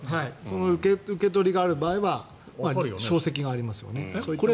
受け取りがある場合は証跡がありますよね。